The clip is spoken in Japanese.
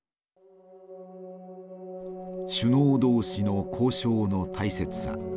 首脳同士の交渉の大切さ。